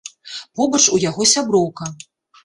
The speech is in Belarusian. Побач у яго сяброўка.